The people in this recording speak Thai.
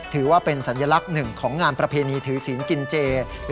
ถือว่าเป็นสัญลักษณ์หนึ่งของงานประเพณีถือศีลกินเจ